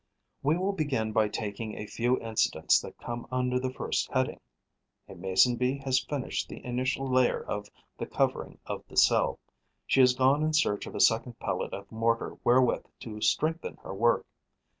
We will begin by taking a few incidents that come under the first heading. A Mason bee has finished the initial layer of the covering of the cell. She has gone in search of a second pellet of mortar wherewith to strengthen her work.